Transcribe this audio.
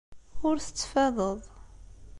Ur tettfadeḍ.